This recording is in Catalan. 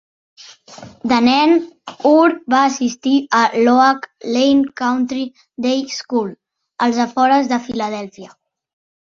De nen, Uhr va assistir a l'Oak Lane Country Day School, als afores de Filadèlfia.